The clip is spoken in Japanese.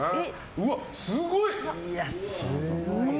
うわ、すごい！